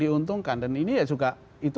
diuntungkan dan ini ya juga itu